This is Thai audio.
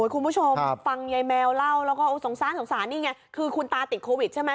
คุณผู้ชมฟังยายแมวเล่าแล้วก็สงสารสงสารนี่ไงคือคุณตาติดโควิดใช่ไหม